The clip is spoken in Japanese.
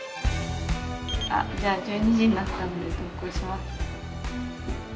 じゃあ１２時になったんで投稿しますね。